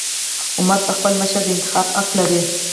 امت د خپل مشر د انتخاب حق لري.